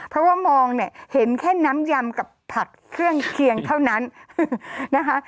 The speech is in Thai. เพราะว่ามองเนี่ยเห็นแค่น้ำยำกับผักเครื่องเคียงเท่านั้นนะคะ